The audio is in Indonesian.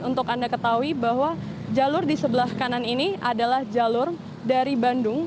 untuk anda ketahui bahwa jalur di sebelah kanan ini adalah jalur dari bandung